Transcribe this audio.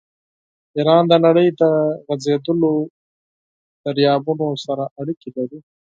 ایران د نړۍ د غځېدلو دریابونو سره اړیکې لري.